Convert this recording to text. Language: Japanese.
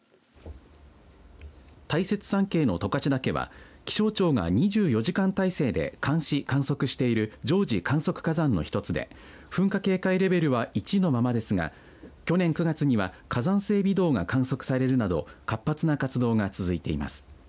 大雪山系の十勝岳は気象庁が２４時間体制で監視、観測している常時観測火山の一つで噴火警戒レベルは１のままですが去年９月には火山性微動が観測されるなど活発な活動が続いています。